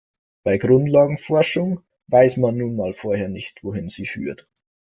Bei Grundlagenforschung weiß man nun mal vorher nicht, wohin sie führt.